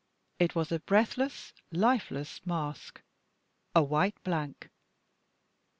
It was a breathless, lifeless mask a white blank.